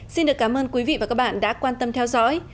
xin được cảm ơn quý vị và các bạn đã quan tâm theo dõi